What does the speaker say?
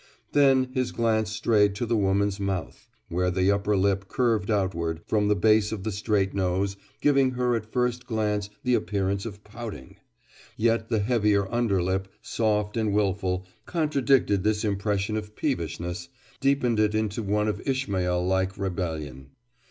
Then his glance strayed to the woman's mouth, where the upper lip curved outward, from the base of the straight nose, giving her at first glance the appearance of pouting. Yet the heavier underlip, soft and wilful, contradicted this impression of peevishness, deepened it into one of Ishmael like rebellion.